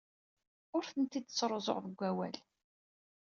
Ur tent-id-ttruẓuɣ deg wawal.